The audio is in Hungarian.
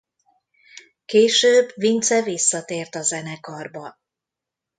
Később Vince visszatért a zenekarba.